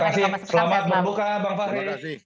terima kasih selamat berbuka bang fahri